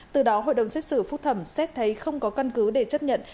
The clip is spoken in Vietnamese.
từ đó hội đồng xét xử phúc thẩm xét thấy không có căn cứ để chấp nhận